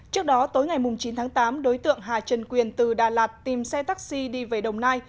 trước đó tối ngày chín tháng tám đối tượng hà trần quyền từ đà lạt tìm xe taxi đi về đồng nai